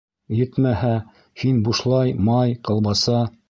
Етмәһә, һин бушлай май, колбаса...